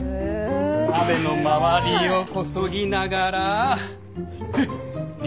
鍋の周りをこそぎながら煮る！